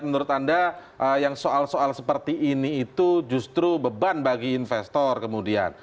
menurut anda yang soal soal seperti ini itu justru beban bagi investor kemudian